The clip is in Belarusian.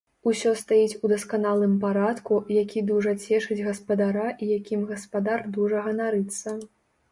Усё стаіць у дасканалым парадку, які дужа цешыць гаспадара і якім гаспадар дужа ганарыцца.